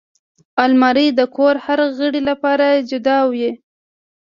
الماري د کور د هر غړي لپاره جدا وي